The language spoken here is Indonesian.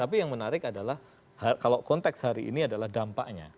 tapi yang menarik adalah kalau konteks hari ini adalah dampaknya